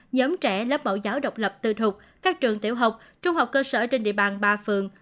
nhóm trẻ lớp mẫu giáo độc lập tư thục các trường tiểu học trung học cơ sở trên địa bàn ba phường